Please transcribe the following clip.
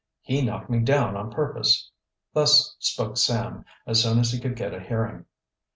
He knocked me down on purpose." Thus spoke Sam, as soon as he could get a hearing.